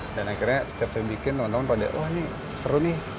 akhirnya setiap saya bikin teman teman pada wah ini seru nih